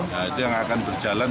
nah itu yang akan berjalan